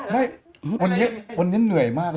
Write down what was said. ไม่วันนี้วันนี้เหนื่อยมากเลย